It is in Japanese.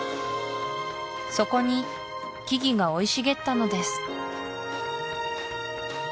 そこに木々が生い茂ったのです